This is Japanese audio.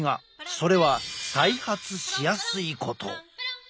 それは再発しやすいこと。